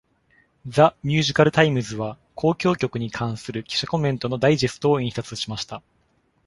「ザ・ミュージカルタイムズ」は交響曲に関する記者コメントのダイジェストを印刷しました。